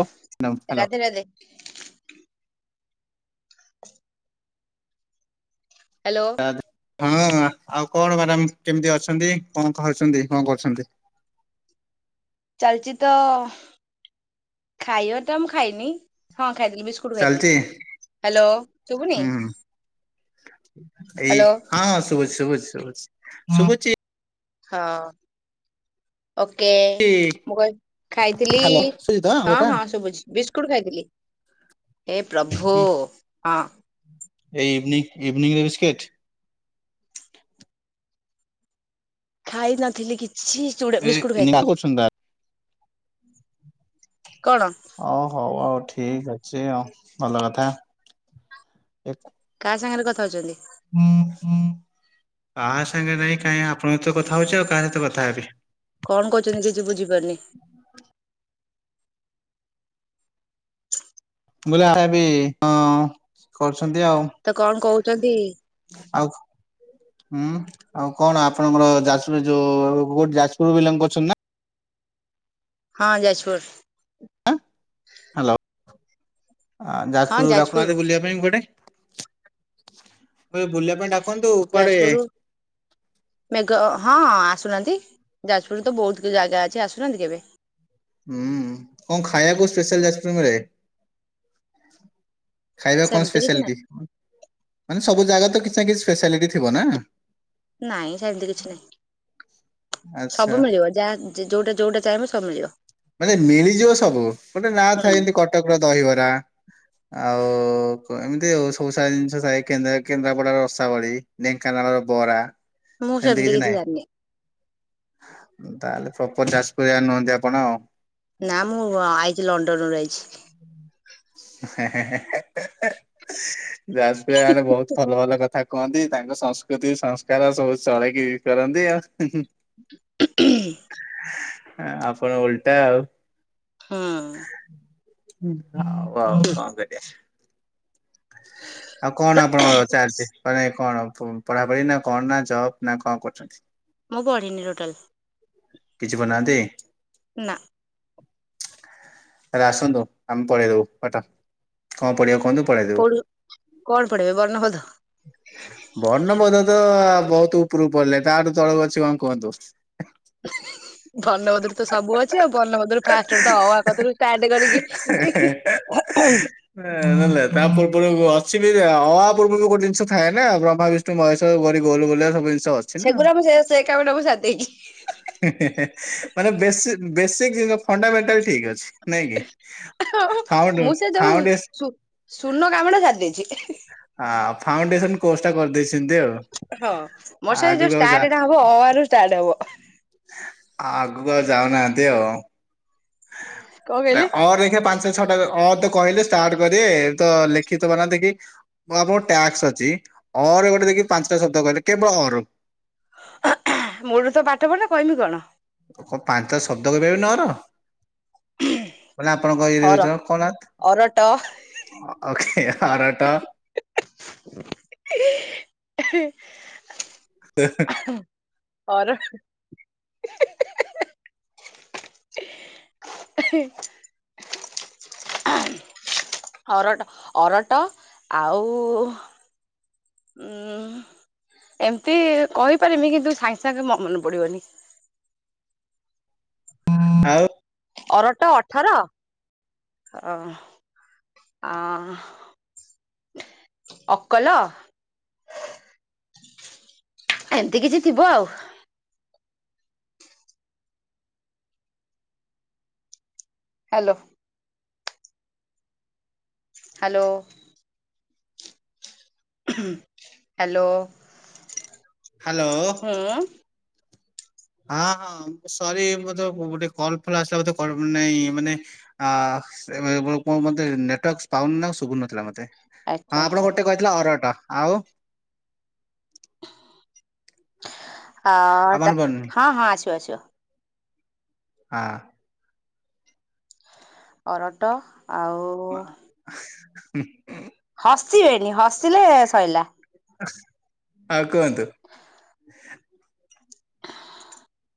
ଓ madam hello. Radhe Radhe hello. ହଁ ଆଉ କଣ ମ୍ୟାଡ଼ାମ କେମିତି ଅଛନ୍ତି କଣ ଖାଉଛନ୍ତି କଣ କରୁଛନ୍ତି। ଚାଲିଛି ତ ଖାଇବା ଟା ମୁଁ ଖାଇନି ହଁ ଖାଇଲିି ବିସ୍କୁ ଥିଲି ଚାଲିଛି ହାଲୋ ଶୁଭୁନି? ହୁଁ ହୁଁ ଏଇ ହ୍ୟାଲୋ ହଁ ଶୁଭୁଚି ଶୁଭୁଚି ଶୁଭୁ ଶୁବୁଚି। ହଁ ଓକେ ମୁଁ କ ଖାଇଥିଲି? ହ୍ୟାଲୋ ଶୁଭୁଛି ତ ଆମ ହଁ କଥା ହଁ ଶୁଭୁଛି ବିସ୍କୁଟ ଖାଇଥିଲି ଏ ପ୍ରଭୁ ହଁ। ଏଇ ଇଭିନିଂ ଇଭିନିଂ ରେ ବିସ୍କେଟ? ଖାଇ ନଥିଲି କିଛି ଚଡ଼ା ଏ ବିସ୍କୁଟ ନିଶା ଖାଇଥିଲି। କରୁଛନ୍ତି ତାହେଲେ? କଣ? ଅ ହୋଉ ହୋଉ ହୋଉ ଠିକ୍ ଅଛି ହୋଉ ଭଲ କଥା। କାହା ସାଙ୍ଗରେ କଥା ହୋଉଚନ୍ତି? କାହା ସାଙ୍ଗେ ନାଇଁ କାହିଁ ଆପଣଙ୍କ ସହିତ ତ କଥା ହୋଉଚି ଆଉ କାହା ସହିତ କଥା ହେବି। କଣ କହୁଛନ୍ତି କିଛି ବୁଝିପାରୁନି। ମୋଲା ଆ ବି ହଁ କରୁଚନ୍ତି ଆଉ। ତ କଣ କହୁଚନ୍ତି? ଆଉ। ହୁଁ ଆଉ କଣ ଆପଣଙ୍କର ଯାଜପୁର ଯୋଉ କୋଉଠି ଯାଜପୁର ବିଲଙ୍କୁ ଅଛନ୍ତି ନା। ହଁ ଯାଜପୁର। ହାଲୋ ହଁ ଯାଜପୁର ଯାଜପୁରରୁ ଡାକୁନାହାନ୍ତି ବୁଲିବା ପାଇଁ କୁଆଡେ। ମୁଁ ଏ ବୁଲିବା ପାଇଁ ଡାକନ୍ତୁ କୁଆଡେ ଯାଜପୁର ମେଘ ହଁ ଆସୁନାହାନ୍ତି। ଯାଜପୁରରୁତ ବୋହୁତ ଜାଗା ଅଛି ଆସୁନାହାନ୍ତି କେବେ? ହୁଁ କଣ ଖାଇବାକୁ ସ୍ପେଶାଲ ଯାଜପୂରରେ ମିଳେ? ଖାଇବା କଣ ସେମିତି କିଛି ସ୍ପେଶାଲିଟି ନାହିଁ ମାନେ ସବୁ ଜାଗା ତ କିଛି ନା କିଛି ସ୍ପେଶାଲିଟି ଥିବ ନା। ନାଇଁ ସେମିତି କିଛି ନାଇଁ ଆଚ୍ଛା। ସବୁ ମିଳିବ ଯାହା ଯେ ଯୋଉଟା ଯୋଉଟା ଚାହିଁବ ସବୁ ମିଳିବ। ମାନେ ମିଳିଯିବ ସବୁ ଗୋଟେ ନା ହୁଁ ଥାଏ ଏମିତି କଟକର ଦହିବରା ଆଉ ଏମିତି ଆଉ ସବୁ ସାରା ଜିନିଷ ଥାଏ କେ କେନ୍ଦ୍ରା କେନ୍ଦ୍ରାପଡା ର ରସା ବଳି ଢେଙ୍କାନାଳର ବରା ସେମିତି କିଛି ନାହିଁ? ତାହେଲେ ପ୍ରପର ଯାଜପୁରିଆ ନୁହନ୍ତି ଆପଣ ଆଉ। ନା ମୁଁ ଆଇଛି ଲଣ୍ଡନରୁୁ ଆଇଛି। [unintelligible] ଯାଜପ ମାନେ ବହୁତ ଭଲ ଭଲ କଥା କଥା କୁହନ୍ତି ତାଙ୍କ ସଂସ୍କୃତି ସଂସ୍କାର ସବୁ ଚଳେଇକି କରନ୍ତି ଆଉ। [unintelligible] ଆପଣ ଓଲଟା ଆଉ। ହୁଁ ହଉ ହଉ ଆଉ କଣ କରିବା ଆଉ ଆପଣଙ୍କର କଣ ଚାଲିଛି? ମାନେ କଣ ପଢାପଢି ନା କଣ ନା ଜବ୍ ନା କଣ କରୁଛନ୍ତି? ମୁଁ ପଢ଼ିନି ଟୋଟାଲ। କିଛି ବନାନ୍ତି? ନା। ହେରା ଆସନ୍ତୁ ଆମେ ପଳେଇଦବୁ ପାଠ କଣ ପଢିବେ କୁହନ୍ତୁ? ପଢେଇଦବୁ। କୋଉଠୁ କଣ ପଡେଇବେ ବର୍ଣ୍ଣ ଭୋଧ? ବର୍ଣ୍ଣବୋଧ ତ ବହୁତ ଉପରକୁ ପଳେଇଲାଣି ତାଠୁ ତଳକୁ ଅଛି କଣ କୁହନ୍ତୁ? ବର୍ଣବୋଧ ତ ସବୁ ଅଛି ଆଉ ବର୍ଣ୍ଣବୋଧରୁ ଫାଷ୍ଟରୁ ତ ଅ ଆ କତିରୁ ଷ୍ଟାର୍ଟ କରିକି ନହଲେ ତା ପୂର୍ବରୁ ଅଛିିବି ଅ ଆ ପୁର୍ବରୁ ଗୋଟେ ଜିନିଷ ଥାଏ ନା ବ୍ରହ୍ମ ବିଷ୍ଣୁ ମହେଶ୍ୱର ଖାଲି ଗୋଲ ବିଲେଇବା ସବୁ ଜିନିଷ ଅ ସେଗୁରା ମୁଁ ସେ କାମ ମୁଁ ସାରିଦେଇଛି। ମାନେ ବେ ବେସି ଫଣ୍ଡାମେଣ୍ଟାଲ ଠିକ ଅଛି। ନାଇଁ କି ଆଉ ଫାଉ ମୁଁ ସେ ଯୋଉ ଫାଉଣ୍ଡେ ଶୁ ଶୂନ କାମଟା ସାରିଦେଇଛି। ଆ ଫାଉଣ୍ଡେସନ କୋର୍ସ ଟା କରିଦେଇଛନ୍ତି ଆଉ? ହଁ ମୋର ସେ ଯୋଉ ଆଗକୁ ଆଉ ଯା ଷ୍ଟାର୍ଟ ଟେ ହବ ହବ ଅ ଆ ରୁ ଷ୍ଟାର୍ଟ ହବ। ଆଗକୁ ଆଉ ଯାଉନାହାନ୍ତି ଆଉ କଣ କହିଲେ? ଅ ଦେଖିବା ପାଞ୍ଚ ଛଟା ଅ ତ କହିଲେ ଷ୍ଟାର୍ଟ କରିବେ ତ ଲେଖିତ ବନା ଦେଖି ଆପଣଙ୍କର ଟାସ୍କ ଅଛି ଅର ଗୋଟେ ଦେଖି ପାଞ୍ଚଟା ଶବ୍ଦ କହିଲେ କେବଳ ଅର? ମୁଳୁନୁ ତ ପାଠ ପଢିନି କହିବି କଣ? ଉ କଣ ପାଞ୍ଚଟା ଶବ୍ଦ କହପାରିବେନି ଅ ର? ଅର ଅରଟ [unintelligible] ଅ ହରଟ [unintelligible] [unintelligible] ଅରଟ [unintelligible] ଏ ହେ ଅରଟ ଅରଟ ଆଉ ଉୁଁ ଏମତି କହିପାରିମି କିନ୍ତୁ ସାଙ୍ଗେ ସଙ୍ଗେ ମ ମନେ ପଡିବନି। ଆଉ ଅରଟ ଅଠର ହ ଆ ଅକଲ ଏମିତି କିଛି ଥିବ ଆଉ। ହ୍ୟାଲୋ। ହ୍ୟାଲୋ। ହ୍ୟାଲୋ। ହ୍ୟାଲୋ। ହୁଁ ହଁ ହଁ ସରି ମତେ ଗୋଟେ କଲ ଫଲ ଆସିଲା ବୋେ କର ନହିଁ ମାନେ [unintelligible] ନେଟୱାର୍କସ ପାଉନି ନା ଶୁବୁ ନଥିଲା ମତେ। ଆଚ୍ଛା ହଁ ଆପଣ ଆଚ୍ଛା ଗୋଟେ କହିଥିଲେ ଅରଟ। ଆଉ? [unintelligible] ଆଉ ମନେ ପଡୁନି ହଁ ହଁ ଆସିବ ଆସିବ। ହଁ। ଅରଟ ଆଉ [unintelligible] ହସିବେନି ହସିଲେ ସଇଲା। ହଁ କୁହନ୍ତୁ?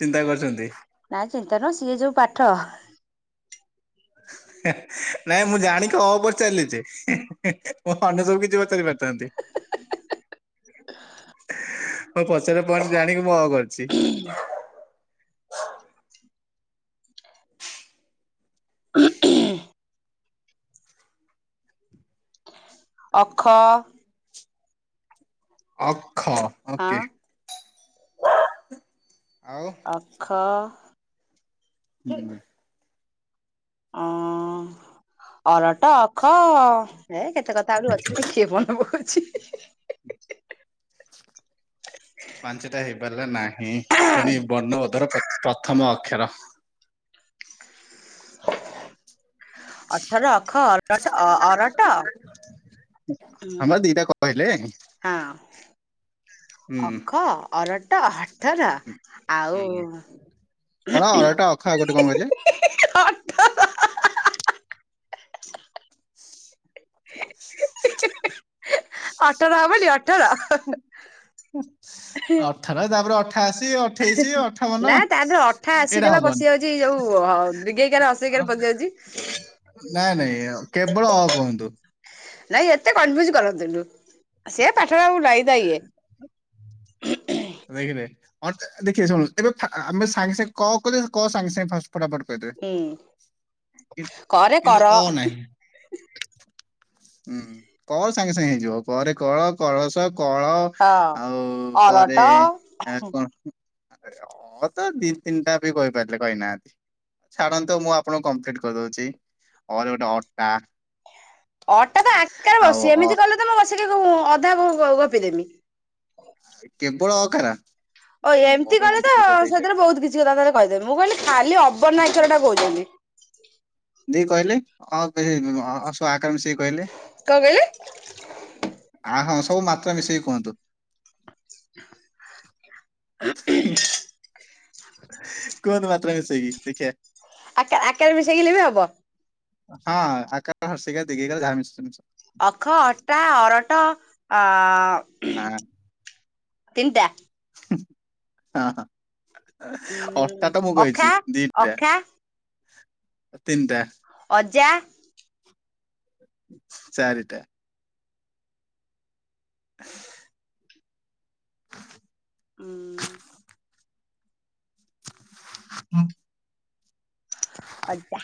ଚିନ୍ତା କରୁଚନ୍ତି? ନାଇଁ ଚିନ୍ତା ନୁଅ ସିଏ ଯୋଉ ପାଠ। ନାଇଁ ମୁଁ ଜାଣିକି ଅ ପଚାରିଲି ଯେ। ମୋ ଅନ୍ୟ ସବୁ କିଛି ପଚାରି ପାରିଥାନ୍ତି। [unintelligible] ଜାଣିକି ମୁଁ ଅ କରିଚି। ଅଖ ଅଖ ଅଖ ହଁ ଓକେ। ଆଉ? ଅଖ ହୁଁ ହୁଁ ଅଁ ଅରଟ ଅଖ ଏ କେତେ କଥା ତାପରେ ଅଛି କିଏ ମନପକୋଉଚି। ପାଞ୍ଚଟା ହେଇପାରିଲା ନାହିଁ ପୁଣି ବର୍ଣ୍ଣବୋଧର ପ୍ରଥମ ଅକ୍ଷର। ଅଠର, ଅଖ, ଅର ଅରଟ ଆମର ଦିଟା କହିଲେ। ହଁ। ଅଖ ଅରଟ ହଠର ହୁଁ କଣ ଅରଟ, ଅଖ, ଆଉ ଗୋଟେ କଣ କହିଲେ? ଅଠର ଅଠର ହବବି? ଅ ଅଠର ତାପରେ ଅଠାଅଶୀ ଅଠେଇଶି ଅଠାବନ ନା ତା ଦେହରେ ଅଠା ଅଶିରେ ଏଇଟା ବା ପଶି ହବନି। ଯାଉଛି ଯୋଉ ଦିଗେଇକାରେ ଅଶିକାରେ ପଶି ଯାଉଛି। ନାଇଁ ନାଇଁ କେବଳ କୁହନ୍ତୁ? ନାଇଁ ଏତେ କନଫ୍ୟୁଜ କରନ୍ତୁନୁ ସେ ପାଠରେ ଆଉ ନାଇଁ ତା ଇଏ। ଦେଖିଲେ ଅ ଦେଖିଏ ସମସ୍ ଆମେ ସାଙ୍ଗେ ସାଙ୍ଗେ କ କହେ କ ସାଙ୍ଗେ ସାଙ୍ଗେ ଫା ଫଟାଫଟ ହୁଁ କରିଦେ କରେ କିନ୍ତୁ କର ଅ ନାହିଁ। ହୁଁ କ ସାଙ୍ଗେ ସାଙ୍ଗେ ହେଇଯିବ। କ ରେ କଳ କଳସ କଳ ହଁ ଆଉ ଅର କଣ କରେ ଅ ତ ଦି ତିନିଟା ବି କହିପାରିଲେ କହିନାହାନ୍ତି। ଛାଡନ୍ତୁ ମୁଁ ଆପଣଙ୍କୁ କମ୍ପ୍ଲିଟ କରିଦଉଚି। ଅ ରେ ଗୋଟେ ଅଟା ଅଟା ତ ଆକାରରେ ଆଉ ବସୁଚି ଅ ଏମିତି କଲେ ତ ମୁଁ ବସିକି ଅଧା ଗପିଦେମି। କେବଳ ଅ କାର? ଓ ଏମିତି କଲେ ତ ସେଥିରେ ବହୁତ କିଛି କଥା ତାରେ କହିଦେମି ମୁଁ କହିଲି ଖାଲି ଅବନା ଅକ୍ଷର ଟା କହୁଚନ୍ତି। ଦେଇ କହିଲେ ଅ [unintelligible] ସେ ଆ କର ମିସେଇକି? କନ କହିଲେ? ଆ ହଁ ସବୁ ମାତ୍ରା ମିଶେଇକି କୁହନ୍ତୁ? [inaudible] କୁହନ୍ତୁ ମାତ୍ରା ମିଶେଇ କି ଦେଖିଆ ଆ ଆ କାର ମିଶେଇ କିଲେ ବି ହେବ ହଁ ଆକାର, ହର୍ଷଇ କାର, ଦୀର୍ଘଇ କାର ଯାହା ମିଶୁ ଅଖ, ଅଟା, ଅରଟ, ଅ ଆଁ ତିନିଟା ହୁଁ ହଁ ଅଟା ଉଁ ତ ମୁଁ ଅଖା କହିଛି ଦିଟା ଅଖା ତିନିଟା ଅଜା ଚାରିଟା [inaudible] ଉଁ ଉଁ [inaudible] ଆଜ୍ଞା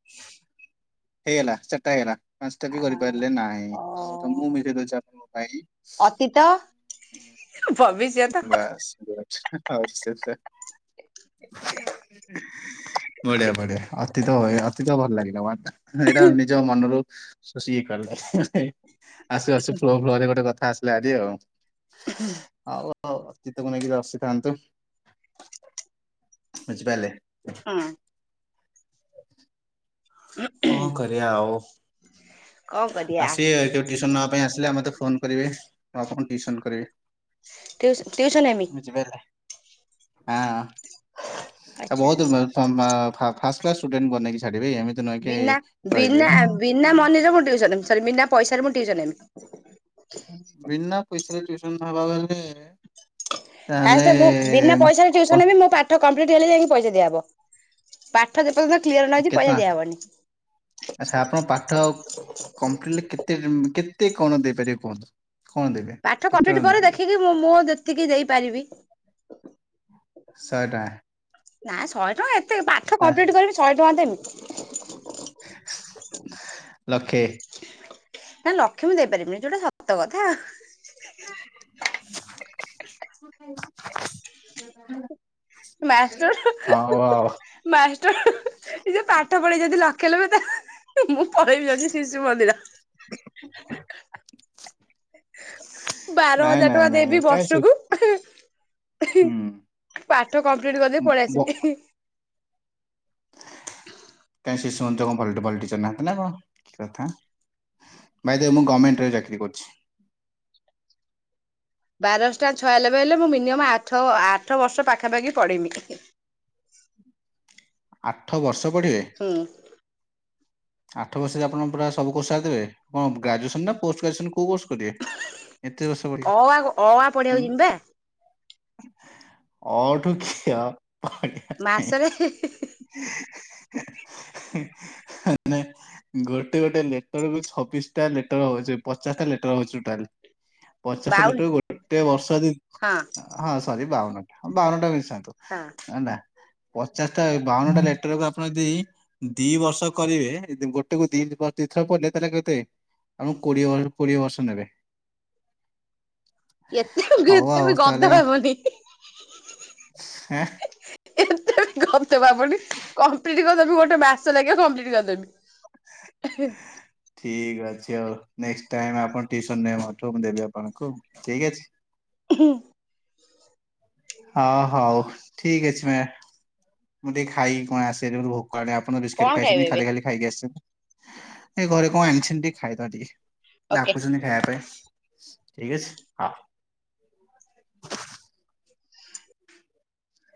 [inaudible] ହେଇଗଲା ଚାରିଟା ହେଇଗଲା ପାଞ୍ଚଟା ଅ ବି କରିପାରିଲେ ନାହିଁ ଆଉ ଗୋଟେ ମୁଁ ମିଶେଇ ଦଉଚି ଆପଣଙ୍କ ପାଇଁ ତିତ ଭବିଷ୍ୟତ ବାସ୍ ଗୁଡ଼ ଅଉ ସେ ତ ବଢିଆ ବଢିଆ ଅତୀତ [unintelligible] ଅତୀତ ଭଲ ଲାଗିଲା ୱାର୍ଡ ଟା ଏଇଟା ନିଜ ମନରୁ ଶୋଷି କି କାଢ଼ିଲ ଆସୁ ଆସୁ ଫ୍ଲୋ ଫ୍ଲୋରେ ଗୋଟେ କଥା ଆସ ଲା ଆଜି ଆଉ ହୁଁ। ଆଉ। ଓ ଅତୀତକୁ ନେଇକି ହସିଥାନ୍ତୁ, ବୁଝିପାରିଲେ। ହଁ। କଣ କରିବା ଆଉ। କଣ କରିବା ଆସିବେ କେବେ ଟିୁସନ ନବା ପାଇଁ ଆସିଲେ ଆ ମତେ ଫୋନ କରିବେ ମୁଁ ଆପଣଙ୍କୁ ଟିଉସନ କରେଇବି। ଟିଉସନ ହେମି ବୁଝିପାରିଲେ, ଆଁ। ଆଉ ଆଚ୍ଛା ବହୁତ ମ ମ ଫାଷ୍ଟ କ୍ଲାସ ଷ୍ଟୁଡେଣ୍ଟ କ ନେଇକି ଛାଡିବେ ଏମି ବିନା ବିନା ବିନା ମନିରେ ମୁଁ ଟିଉସନ ହେବି ସରୀ ବିନା ପଇସାାରେ ମୁଁ ଟିଉସନ ହେବି। ବିନା ପଇସାରେ ଟିଉସନ୍ ହେବାକୁ ହେଲେ ଏ ଫାର୍ଷ୍ଟ ମୁଁ ବିନା ପଇସାରେ କଣ ଟିଉସନ ହେବି ମୋ ପାଠ କମ୍ପ୍ଲିଟ ହେଲେ ଯାଇକି ପଇସା ଦିଆହବ। ପାଠ ଯେପର୍ଯ୍ୟନ୍ତ କ୍ଲିୟର ନ ହେଇଛି କେତେ ପଇସା ଦିଆହବନି। ଟଙ୍କା ଆଛା ଆପଣଙ୍କ ପାଠ କମ୍ପ୍ଲିଟ କେତେ କେ କେତେ କଣ ଦେଇପାରିବେ କୁହନ୍ତୁ। କଣ ଦେବେ ପାଠ କେତେ କମ୍ପ୍ଲିଟ ଟଙ୍କା କରେ ଦେଇପାରିବେ ଦେଖିକି ମୁଁ ମୁଁ ଯେତିକି ଦେଇପାରିବି। ଶହେ ଟଙ୍କା। ନା ଶହେ ଟଙ୍କା ଏତେ ପାଠ ଆ, କମ୍ପ୍ଲିଟ କରିବି ଶହେ ଟଙ୍କା ଦେମି। ଲକ୍ଷେ। ନାଇ ଲକ୍ଷେ ମୁଁ ଦେଇ ପାରିବିନି ଯୋଉଟା ସତ କଥା ଆଉ। ମାଷ୍ଟର ହ ହଉ ହ ହଉ। ମାଷ୍ଟର ହ ହ। ଏ ଯଉ ପାଠ ପଢେଇ ଯଦି ଲକ୍ଷେ ନେବେ ତାହେଲେ ମୁଁ ପଳେଇବି ଯାଉଚି ଶିଶୁ ମନ୍ଦିର। ବାର ନାଇଁ ହଜାର ନାଇଁ ଟଙ୍କା ନାଇଁ ଦେବି କାଇଁ ସେ ବର୍ଷକୁ। ଆହାଁ ଏହିଁ ହୁଁ ପାଠ କମ୍ପ୍ଲିଟ୍ କରିଦେଇ ପଳେଇ ବ ଆସିଲି ଇହିଁ। କାଇଁ ଶିଶୁ ମନ୍ଦିର କଁ ଭଲଟ୍ ଭଲ୍ ଟିଚର୍ ନାହାନ୍ତି ନା କଁ କି କଥା। ଭାଇ ଦେଖ ମୁଁ ଗମେଣ୍ଟରେ ଚାକିରି କରିଛି। ବାର ଅଷ୍ଟା ଛୟାଲବେ ହେଲେ ମୁଁ ମିନିମମ ଆଠ ଆଠ ବର୍ଷ ପାଖାପାଖି ପଢେଇମି। ଆଠ ବର୍ଷ ପଢେଇବେ। ହୁଁ। ଆଠ ବର୍ଷେରେ ଆପଣ ପୁରା ସବୁ କୋର୍ସ୍ ସାରିଦେବେ କଁ ଗ୍ରାଜୁଏସନ୍ ନା ପୋଷ୍ଟ ଗ୍ରାଜୁଏସନ୍ କୋଉ କୋର୍ସ କରିବେ। ଏତେ ବର୍ଷ ପ ଅ ଆ ଅ ଆ ପଢିଆକୁ ଯିମି ବା। ଅ ଠୁ କ୍ଷ [unintelligible] [unintelligible] [unintelligible] ନେ ଗୋଟେ ଗୋଟେ ଲେଟର ବି ଛବିଶଟା ଲେଟର ହଉଚି ପଚାଶଟା ଲେଟର ହଉଚି ଟୋଟାଲି। ପଚାଶ ବାଉନ ଲେଟରକୁ ଗୋଟେ ବର୍ଷ ଦି ହଁ ଆଁ ହଁ ସରି ବାଉନଟା ହଁ ବାଉନଟା ମିଶାନ୍ତୁ। ହଁ ଅନା ପଚାଶଟା ଏ ବାଉନଟା ଲେଟରକୁ ଆପଣ ଯଦି ଦି ବର୍ଷ କରିବେ ଯଦି ଗୋଟେକୁ ଦି ବ ଦିଥର ପଇଲେ ତାହେଲେ କେତେ। ଆମୁକୁ କୋଡିଏ [unintelligible] କୋଡିଏ ବର୍ଷ ନେବେ। ଏତେ ଗୁ ହଉ ଏତେ ଆଉ ବି ତାହେଲେ ଗଧ ହବନି। ହେଁ ଏତେ ଗଧ ଭାବନି କମ୍ପ୍ଲିଟି କରିଦେବି ଗୋଟେ ମାସ ଲାଗିବ କମ୍ପ୍ଲିଟି କରିଦେବି। ଏହେଁ। ଠିକ୍ ଅଛି ଆଉ ନେକ୍ସଟ୍ ଟାଇମ୍ ଆପଣ ଟିଉସନ ନେବେ ମୋ ଠୁ ମୁଁ ଦେବି ଆପଣୁଙ୍କୁ ଠିକ୍ ଅଛି। ଉଁ ହୁଁ। ହ ହଉ ଠିକ୍ ଅଛି ମ୍ୟା ମୁଁ ଟିକେ ଖାଇକି କଁ ଆସେ ଜୋର ଭୋ କଲାଣି ଆପଣ ବିସ୍କେଟ୍ କଣ ଖାଇବେ ଖାଇଛନ୍ତି ଏବେ ଖାଲି ଖାଲି ଖାଇକି ଆସିଛନ୍ତି ଏ ଘରେ କଁ ଆଣିଛନ୍ତି ଟିକେ ଖାଇଦବା ଟିକେ। ଓକେ। ଡାକୁଛନ୍ତି ଖାଇଆ ପାଇଁ ଠିକ୍ ଅଛି ହଉ।